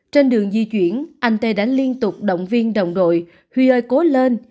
trên đường di chuyển anh tê đã liên tục động viên đồng đội huy ơi cố lên